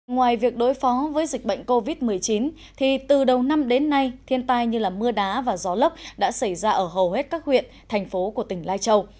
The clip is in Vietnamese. ngoài việc đối phó với dịch bệnh covid một mươi chín thì từ đầu năm đến nay thiên tai như mưa đá và gió lốc đã xảy ra ở hầu hết các huyện thành phố của tỉnh lai châu